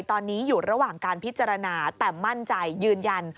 ตอนนี้อยู่ระหว่างการพิจารณาแต่มั่นใจยืนยัน